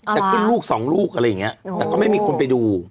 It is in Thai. จะขึ้นลูกสองลูกอะไรอย่างนี้แต่ก็ไม่มีคนไปดู